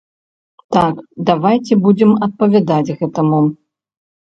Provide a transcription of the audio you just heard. Так давайце будзем адпавядаць гэтаму.